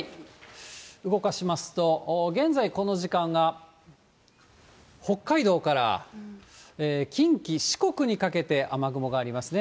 動かしますと、現在、この時間が北海道から近畿、四国にかけて、雨雲がありますね。